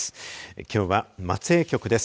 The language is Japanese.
きょうは松江局です。